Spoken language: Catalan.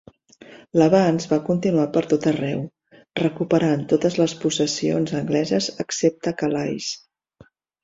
L'avanç va continuar per tot arreu, recuperant totes les possessions angleses excepte Calais.